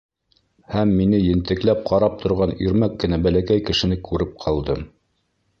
Һәм мине ентекләп ҡарап торған ирмәк кенә бәләкәй кешене күреп ҡалдым.